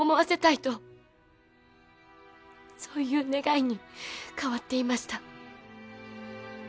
そういう願いに変わっていました。